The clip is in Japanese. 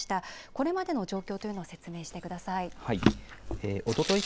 これまでの状況というのを説明してください。